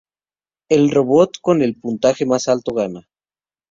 El robot con el puntaje más alto gana.